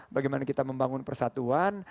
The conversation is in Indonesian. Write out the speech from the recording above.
bagaimana kita membangun persatuan